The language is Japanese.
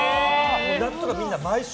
夏とかみんな毎週。